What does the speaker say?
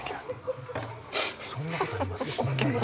そんなことあります？